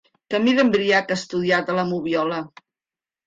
Camí d'embriac estudiat a la moviola.